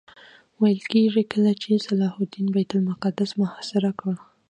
ویل کېږي کله چې صلاح الدین بیت المقدس محاصره کړ.